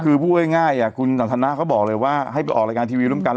คือพูดง่ายคุณสันทนาเขาบอกเลยว่าให้ไปออกรายการทีวีร่วมกันแล้ว